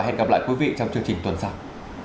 hẹn gặp lại quý vị trong chương trình tuần sau